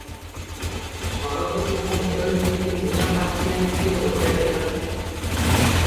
ସରସ୍ୱତୀଙ୍କ ମୁଣ୍ଡରେ ଯିମିତି ନିଆଁ ପାଛିଆଏ କିଏ ଅଜାଡ଼ି ଦେଲା ।